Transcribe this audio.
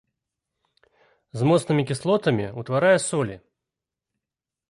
З моцнымі кіслотамі ўтварае солі.